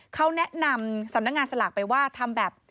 เขาแนะนำสำนักงานสลากไปว่าทำแบบ